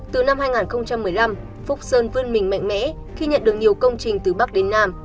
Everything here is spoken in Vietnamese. từ năm hai nghìn một mươi năm phúc sơn vươn mình mạnh mẽ khi nhận được nhiều công trình từ bắc đến nam